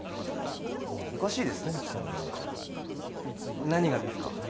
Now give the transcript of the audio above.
おかしいですね何がですか？